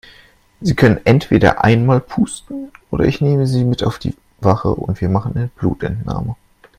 Sie können entweder einmal pusten oder ich nehme Sie mit auf die Wache und wir machen eine Blutentnahme.